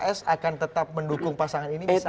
pks akan tetap mendukung pasangan ini bisa